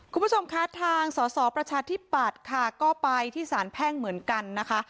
คุณผู้ชมคะทางสอสอประชาธิปัตย์ค่ะก็ไปที่สารแพ่งเหมือนกันนะคะ